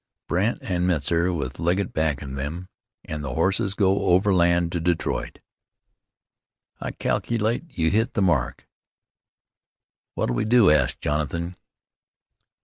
"Brandt an' Metzar, with Legget backin' them, an' the horses go overland to Detroit?" "I calkilate you've hit the mark." "What'll we do?" asked Jonathan.